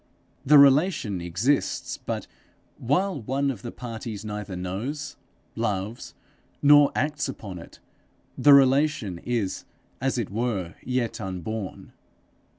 The relation exists, but while one of the parties neither knows, loves, nor acts upon it, the relation is, as it were, yet unborn.